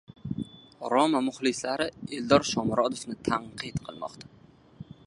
"Roma" muxlislari Eldor Shomurodovni tanqid qilmoqda